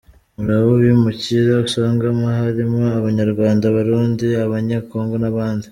Muri abo bimukira usangamo harimo Abanyarwanda, Abarundi, Abanyekongo n’abandi.